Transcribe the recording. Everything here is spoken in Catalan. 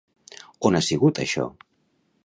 On ha sigut això?